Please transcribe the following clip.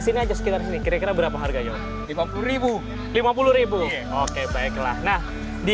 sini aja sekitar sini kira kira berapa harganya lima puluh lima puluh oke baiklah nah di